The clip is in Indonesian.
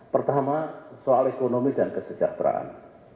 pertama soal ekonomi dan kesejahteraan